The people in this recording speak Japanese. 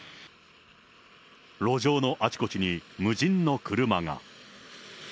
路上のあちこちに無人の車が。